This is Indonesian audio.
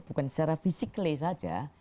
bukan secara fisik saja